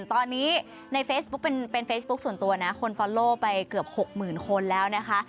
ตอนนี้ในเฟซบุ๊กเป็นเป็นเฟซบุ๊กส่วนตัวนะคนไปเกือบหกหมื่นคนแล้วนะคะ